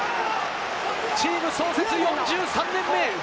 チーム創設４３年目。